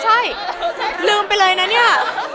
ใช่ลืมไปเลยนะเนี่ย